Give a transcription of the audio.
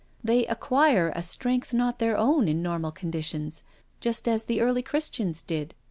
They ac quire a strength not their own in normal conditions, just as the early Christians did.